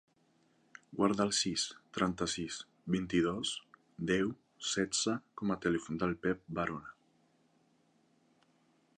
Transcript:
Guarda el sis, trenta-sis, vint-i-dos, deu, setze com a telèfon del Pep Varona.